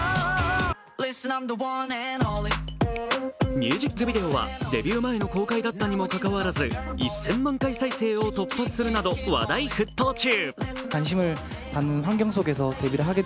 ミュージックビデオはデビュー前の公開だったにもかかわらず１０００万回再生を突破するなど話題沸騰中。